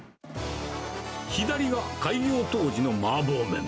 左が開業当時の麻婆麺。